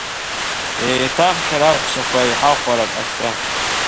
Еиҭах шәара аҳәсақәа иҳахәара ак ҟашәца!